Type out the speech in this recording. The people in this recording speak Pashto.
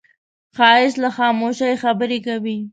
ښایست له خاموشۍ خبرې کوي